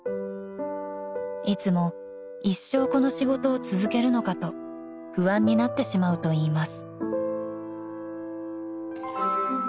［いつも一生この仕事を続けるのかと不安になってしまうといいます］